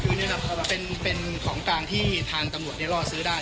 คือนี่ครับเป็นของกลางที่ทางตำรวจล่อซื้อได้